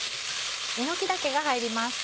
えのき茸が入ります。